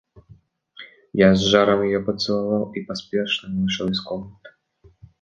Я с жаром ее поцеловал и поспешно вышел из комнаты.